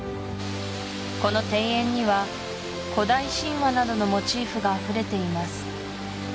この庭園には古代神話などのモチーフがあふれています